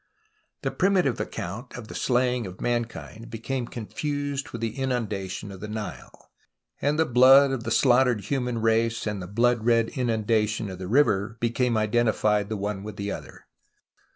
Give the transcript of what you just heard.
The primitive account of the slaying of mankind became confused with the inundation of the Nile, and the blood of the slaughtered human race and the blood red inundation of the river became identified the one w'ith the other.